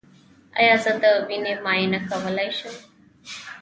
ایا زه د وینې معاینه کولی شم؟